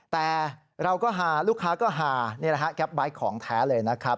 แต่เราก็หาลูกค้าก็หาแบบแบตของแท้เลยนะครับ